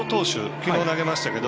きのう投げましたけど。